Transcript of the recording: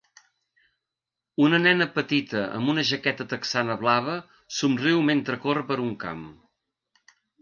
Una nena petita amb una jaqueta texana blava somriu mentre corre per un camp.